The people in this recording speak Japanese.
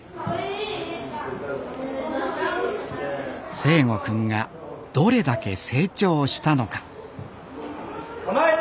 誠心くんがどれだけ成長したのかかまえて。